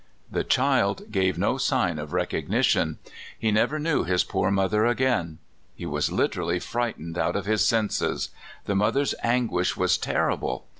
" The child gave no sign of recognition. He never knew his poor mother again. He was liter ally friglitened out of his senses. The mother's anguish was terrible.